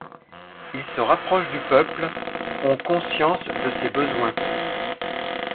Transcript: Ils se rapprochent du peuple, ont conscience de ses besoins.